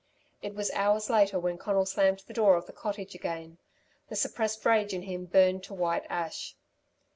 It was hours later when Conal slammed the door of the cottage again. The suppressed rage in him burned to white ash.